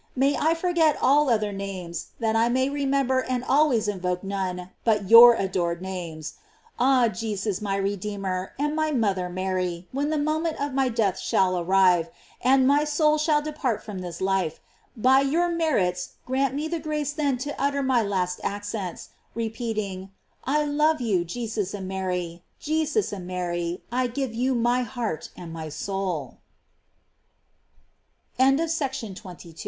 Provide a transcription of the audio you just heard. May I forget all other names, that I may remember and always invoke none but your adored names. Ah Jesus, my Redeemer! and my mother Mary, when the moment of my death shall arrive, and my soul shall depart from this life, by your merits grant me the grace then to utter my last accents, re peating: Hove you, Jesus and Mary; Jesus and Mary, I give yo